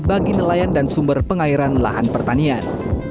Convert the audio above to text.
bagi nelayan dan sumber pengairan lahan pertanian